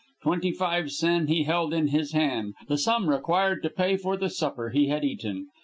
Twenty five sen he held in his hand, the sum required to pay for the supper he had eaten.